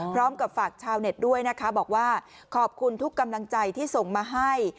พร้อมกับฝากชาวเน็ตด้วยนะคะบอกว่าขอบคุณทุกกำลังใจที่ส่งมาให้